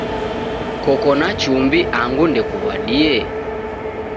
Koko na chumbi angu ndekuw'adie?